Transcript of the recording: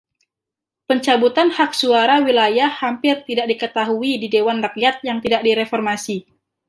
Pencabutan hak suara wilayah hampir tidak diketahui di Dewan Rakyat yang tidak direformasi.